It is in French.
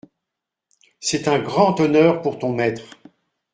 C’est un grand honneur pour ton maître.